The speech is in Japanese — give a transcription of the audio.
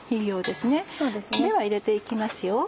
では入れて行きますよ。